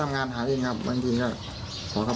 ผมก็นั่งอยู่ในบ้านเนี่ยครับ